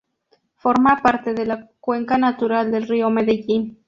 Forma parte de la cuenca natural del río Medellín.